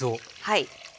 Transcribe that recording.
はい。